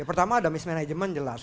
pertama ada mismanagement jelas